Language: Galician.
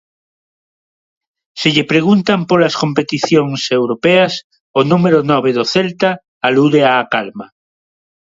Se lle preguntan polas competicións europeas o número nove do Celta alude á calma.